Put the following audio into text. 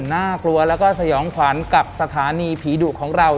น่ากลัวแล้วก็สยองขวัญกับสถานีผีดุของเรา